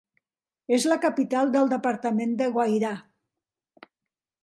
És la capital del departament de Guairá.